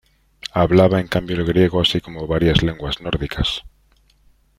Hablaba en cambio el griego así como varias lenguas nórdicas.